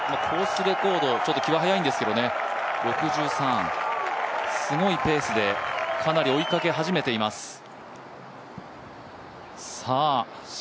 コースレコード、６３、すごいペースでかなり追いかけ始めています。